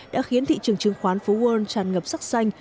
đã khiến thị trường chứng khoán phố quân tràn ngập sắc xanh